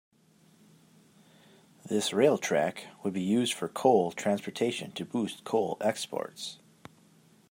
This rail track would be used for coal transportation to boost coal exports.